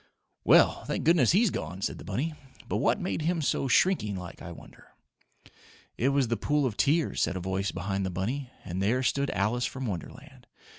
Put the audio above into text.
"Well, thank goodness he's gone!" said the bunny. "But what made him so shrinking like I wonder?" "It was the pool of tears," said a voice behind the bunny, and there stood Alice from Wonderland.